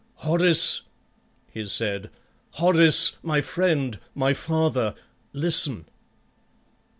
"Horace," he said, "Horace, my friend, my father, listen!"